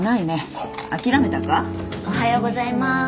おはようございます。